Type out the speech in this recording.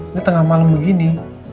ini tengah malam begini